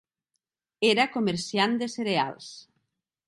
Era comerciant de cereals.